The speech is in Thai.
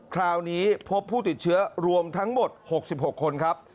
คราวนี้พบผู้ติดเชื้อรวมทั้งหมด๖๖คนครับ